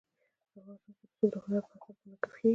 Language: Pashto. افغانستان کې رسوب د هنر په اثار کې منعکس کېږي.